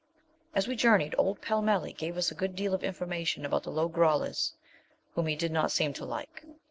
As we journeyed, old Pellmelli gave us a good deal of information about the Lo grollas, whom he did not seem to like.